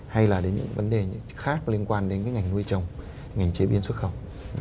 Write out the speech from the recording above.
hay là đến những vấn đề khác liên quan đến cái ngành nuôi trồng ngành chế biến xuất khẩu